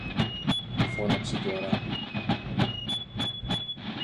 φώναξε του Αράπη